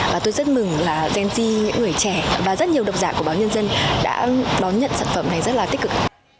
và tôi rất mừng là gen z những người trẻ và rất nhiều độc giả của báo nhân dân đã đón nhận sản phẩm này rất là tích cực